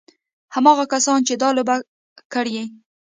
هماغه کسانو چې دا لوبه کړې.